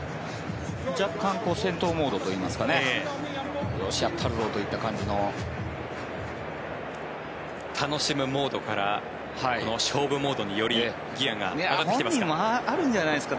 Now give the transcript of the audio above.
若干、戦闘モードといいますかよしやったるぞといったような。楽しむモードから勝負モードによりギアが上がってきてますか。